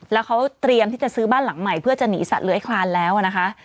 แล้วเขาเตรียมที่จะซื้อบ้านหลังใหม่เพื่อจะหนีสัตว์เลื้อยคลานแล้วนะคะ